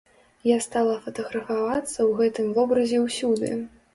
Я стала фатаграфавацца ў гэтым вобразе ўсюды!